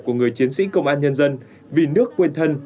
của người chiến sĩ công an nhân dân vì nước quên thân